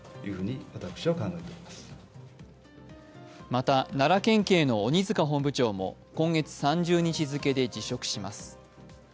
また、奈良県警の鬼塚本部長も今月３０日付で辞職します。